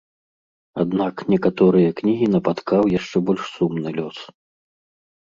Аднак некаторыя кнігі напаткаў яшчэ больш сумны лёс.